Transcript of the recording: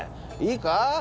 いいか？